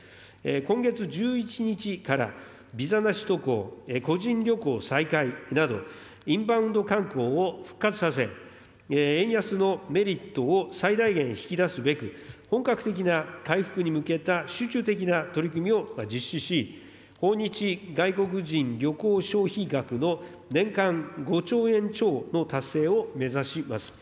今月１１日から、ビザなし渡航、個人旅行再開など、インバウンド観光を復活させ、円安のメリットを最大限引き出すべく、本格的な回復に向けた集中的な取り組みを実施し、訪日外国人旅行消費額の年間５兆円超の達成を目指します。